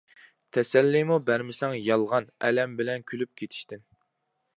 تەسەللىمۇ بەرمىسەڭ يالغان، ئەلەم بىلەن كۈلۈپ كېتىشتىن.